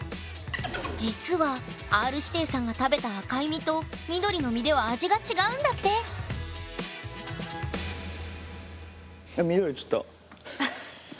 実はＲ−指定さんが食べた赤い実と緑の実では味が違うんだって緑ちょっと。